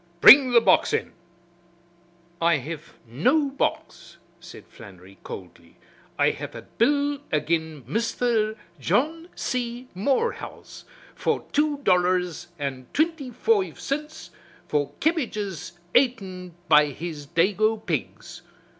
Bring the box in." "I hev no box," said Flannery coldly. "I hev a bill agin Misther John C. Morehouse for two dollars and twinty foive cints for kebbages aten by his dago pigs.